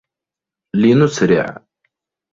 لنسرع.